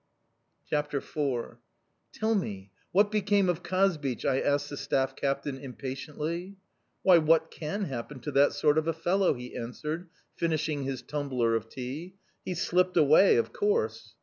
CHAPTER IV "TELL me, what became of Kazbich?" I asked the staff captain impatiently. "Why, what can happen to that sort of a fellow?" he answered, finishing his tumbler of tea. "He slipped away, of course."